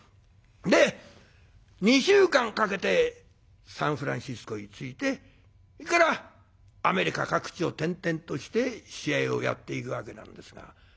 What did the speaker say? で２週間かけてサンフランシスコに着いてそれからアメリカ各地を転々として試合をやっていくわけなんですが。